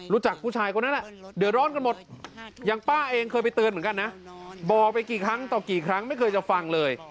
รู้จักผู้ชายคนนั้นเดือดร้อนกันหมดอย่างป้าเองเคยไปเตือนเหมือนกันนะบอกไปกี่ครั้งต่อกี่ครั้งไม่เคยจะฟังเลย